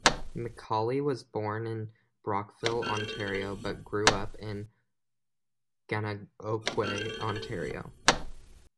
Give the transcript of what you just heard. McCauley was born in Brockville, Ontario, but grew up in Gananoque, Ontario.